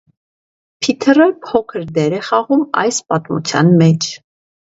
Փիթերը փոքր դեր է խաղում այս պատմության մեջ։